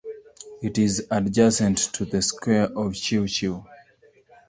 It is adjacent to the square of Chiu Chiu.